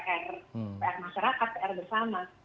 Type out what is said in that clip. pr masyarakat pr bersama